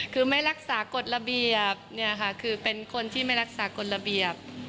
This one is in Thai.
คือไม่รักษากฎระเบียบเนี่ยค่ะคือเป็นคนที่ไม่รักษากฎระเบียบ